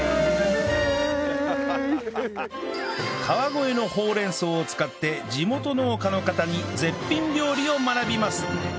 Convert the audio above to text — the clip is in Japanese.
川越のほうれん草を使って地元農家の方に絶品料理を学びます